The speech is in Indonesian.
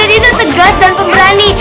karena butet itu tegas dan pemberani